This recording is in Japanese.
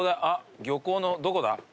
あっ漁港のどこだ？